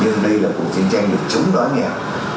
nhưng đây là cuộc chiến tranh được chống đoán nhẹ